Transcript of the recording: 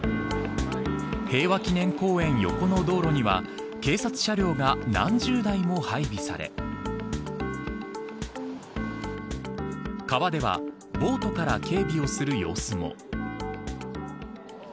平和記念公園横の道路には警察車両が何十台も配備され川では、ボートから警備をする様子も。